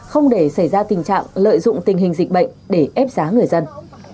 không để xảy ra tình trạng lợi dụng tình hình dịch bệnh để ép giá người dân